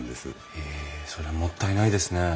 へえそれはもったいないですね。